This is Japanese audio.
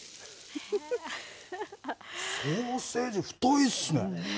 ソーセージ、太いっすね。